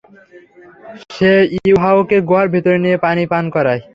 সে ইউহাওয়াকে গুহার ভিতর নিয়ে পানি পান করায়।